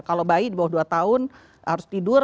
kalau bayi di bawah dua tahun harus tidur